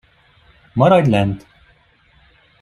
Maradj lent.